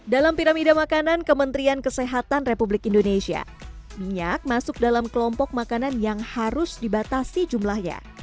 dalam piramida makanan kementerian kesehatan republik indonesia minyak masuk dalam kelompok makanan yang harus dibatasi jumlahnya